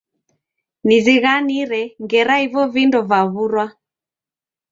Nizighanire ngera ivo vindo vaw'urwa.